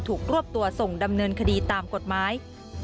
รวบตัวส่งดำเนินคดีตามกฎหมาย